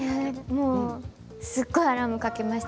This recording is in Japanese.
すごいアラームかけました。